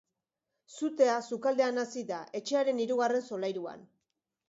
Sutea sukaldean hasi da, etxearen hirugarren solairuan.